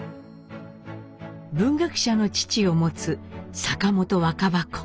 文学者の父を持つ坂本若葉子。